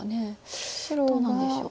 どうなんでしょう。